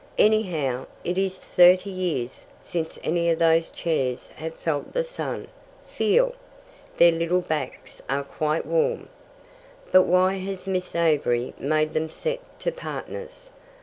"Anyhow, it is thirty years since any of those chairs have felt the sun. Feel. Their little backs are quite warm." "But why has Miss Avery made them set to partners?